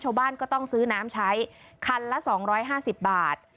ชาวบ้านก็ต้องซื้อน้ำใช้คันละ๒๕๐บาท